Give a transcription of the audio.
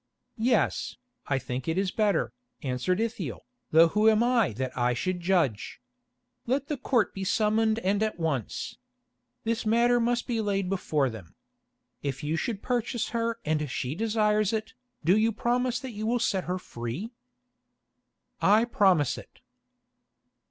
"Yes, I think it is better," answered Ithiel, "though who am I that I should judge? Let the Court be summoned and at once. This matter must be laid before them. If you should purchase her and she desires it, do you promise that you will set her free?" "I promise it."